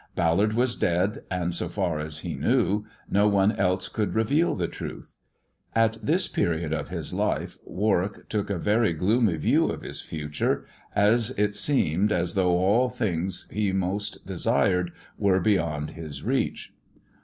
Ballard was •ad, and, so far as he knew, no one else could reveal the uth. At this period of his life Warwick took a very 126 THE dwarf's chamber gloomy view of his future, as it seemed as though all things he most desired were beyond his reach.